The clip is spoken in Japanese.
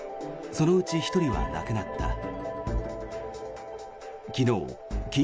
そのうち１人は亡くなった。